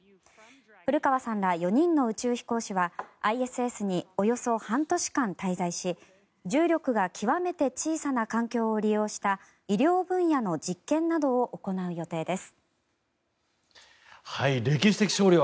古川さんら４人の宇宙飛行士はＩＳＳにおよそ半年間滞在し重力が極めて小さな環境を利用した医療分野の実験などを行う予定です。